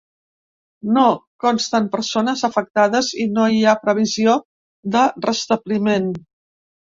No consten persones afectades i no hi ha previsió de restabliment.